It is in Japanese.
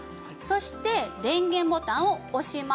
そして電源ボタンを押します。